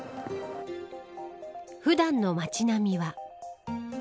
普段の町並みは。